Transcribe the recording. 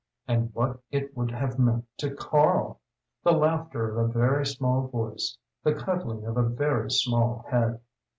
And what it would have meant to Karl! the laughter of a very small voice, the cuddling of a very small head....